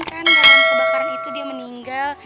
kan dalam kebakaran itu dia meninggal